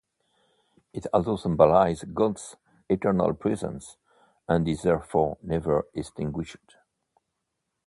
It also symbolizes God's eternal presence and is therefore never extinguished.